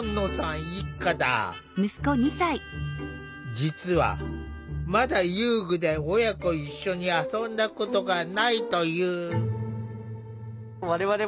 実はまだ遊具で親子一緒に遊んだことがないという。